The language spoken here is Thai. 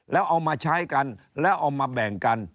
แล้วเอามาใช้กันแล้วเอามาแบ่งกัน